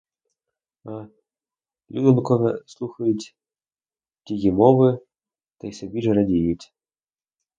А людонькове слухають тої мови, та й собі ж радіють.